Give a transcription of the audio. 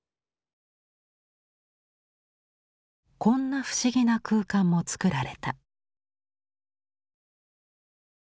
こんな不思議な空間もつくられた。